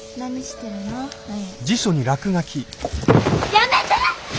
やめて！